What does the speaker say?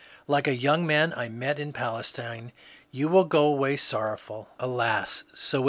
Like a young man I met in Palestine, you will go away sorrowful." Alas, so.